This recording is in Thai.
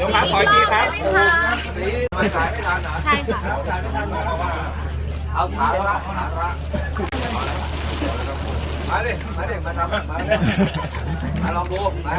กับรัฐของเมริกา